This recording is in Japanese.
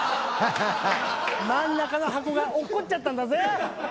真ん中の箱がおっこっちゃったんだぜ。